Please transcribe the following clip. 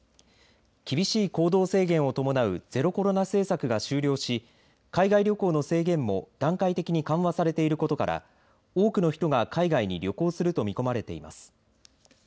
厳しい行動制限を伴うゼロコロナ政策が終了し海外旅行の制限も段階的に緩和されていることから多くの人が海外に旅行すると見込まれています。